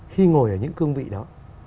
khi ngồi ở những cương vị đó